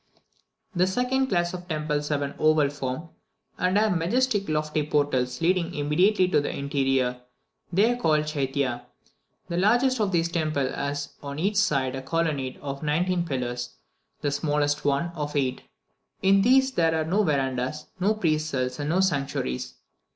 The second class of temples have an oval form, and have majestic lofty portals leading immediately into the interior; they are called chaitya. The largest of these temples has on each side a colonnade of nineteen pillars the smallest, one of eight; in these there are no verandahs, no priest's cells, and no sanctuaries.